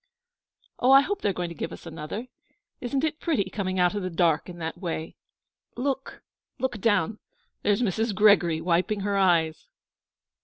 'Oh, I hope they are going to give us another! Isn't it pretty, coming out of the dark in that way? Look look down. There's Mrs. Gregory wiping her eyes!'